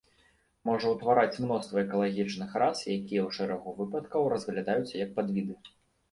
Можа ўтвараць мноства экалагічных рас, якія ў шэрагу выпадкаў разглядаюцца як падвіды.